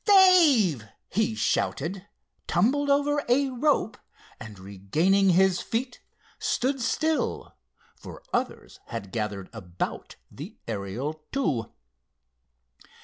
—Dave!" he shouted, tumbled over a rope, and, regaining his feet, stood still, for others had gathered about the Ariel II.